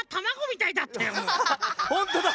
ほんとだ！